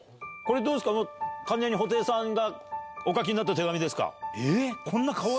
これ完全に布袋さんがお書きになった手紙ですか？